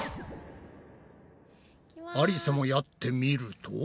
ありさもやってみると。